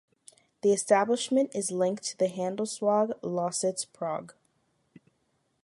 The establishment is linked to the Handelsweg Lausitz-Prague.